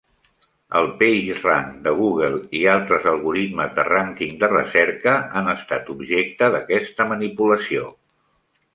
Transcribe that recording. El PageRank de Google i altres algoritmes de rànquing de recerca han estat objecte d'aquesta manipulació.